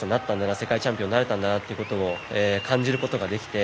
世界チャンピオンになれたんだなっていうことを感じてることができて